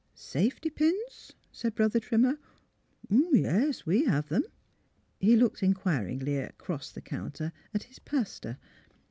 '' Safety pins? " said Brother Trimmer. ^' Um •— yes, we have them." He looked inquiringly across the counter at his pastor.